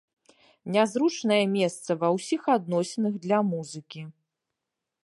Нязручнае месца ва ўсіх адносінах для музыкі!